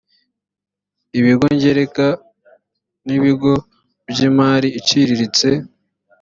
ibigo ngereka n’ibigo by’imari iciriritse